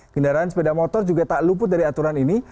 kendaraan sepeda motor juga tak luput dari aturan ini